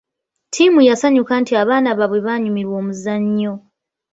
Ttiimi yasanyuka nti abaana baabwe baanyumirwa omuzannyo.